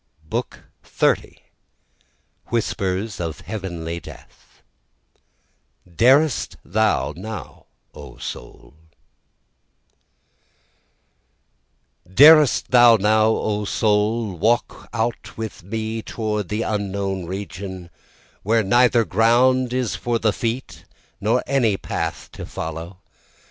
BOOK XXX. WHISPERS OF HEAVENLY DEATH Darest Thou Now O Soul Darest thou now O soul, Walk out with me toward the unknown region, Where neither ground is for the feet nor any path to follow?